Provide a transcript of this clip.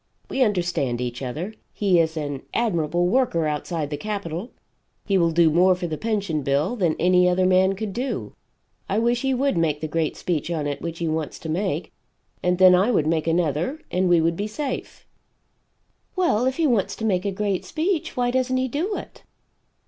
We understand each other. He is an admirable worker outside the capitol; he will do more for the Pension bill than any other man could do; I wish he would make the great speech on it which he wants to make and then I would make another and we would be safe." "Well if he wants to make a great speech why doesn't he do it?"